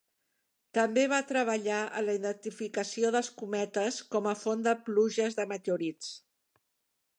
També va treballar en la identificació dels cometes com a font de pluges de meteorits.